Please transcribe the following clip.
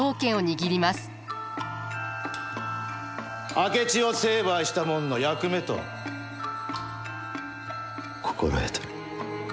明智を成敗したもんの役目と心得とる。